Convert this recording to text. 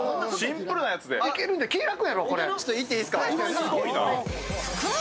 いっていいですか。